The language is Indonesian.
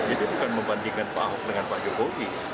jadi bukan membandingkan pak hock dengan pak jokowi